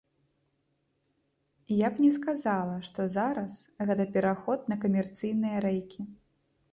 Я б не сказала, што зараз гэта пераход на камерцыйныя рэйкі.